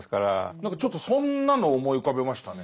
何かちょっとそんなのを思い浮かべましたね。